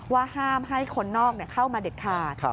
ว่าห้ามให้คนนอกเข้ามาเด็ดขาด